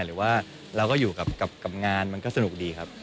หรือว่าเราก็อยู่กับงานมันก็สนุกดีครับ